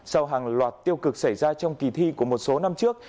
sau hàng loạt tiêu cực xảy ra trong kỳ thi của một số năm trước